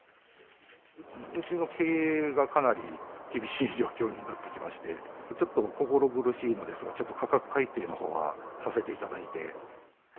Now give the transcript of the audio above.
うちの経営がかなり厳しい状況になってきまして、ちょっと心苦しいのですが、ちょっと価格改定のほうはさせていただいて。